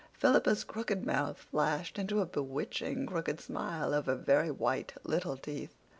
Philippa's crooked mouth flashed into a bewitching, crooked smile over very white little teeth.